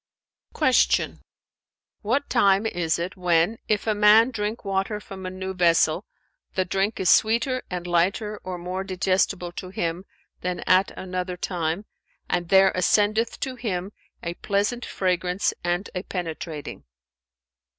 Q "What time is it, when, if a man drink water from a new vessel, the drink is sweeter and lighter or more digestible to him than at another time, and there ascendeth to him a pleasant fragrance and a penetrating?"